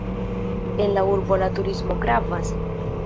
En la urbo la turismo gravas.